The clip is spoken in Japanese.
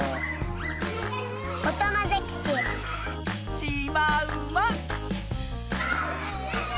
しまうま。